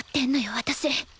私。